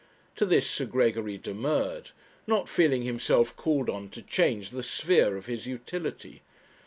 To this Sir Gregory demurred; not feeling himself called on to change the sphere of his utility.